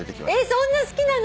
そんな好きなの？